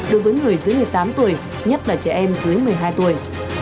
đối với người dưới một mươi tám tuổi nhất là trẻ em dưới một mươi hai tuổi